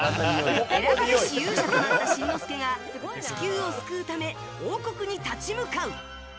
選ばれし勇者となったしんのすけが地球を救うため王国に立ち向かう。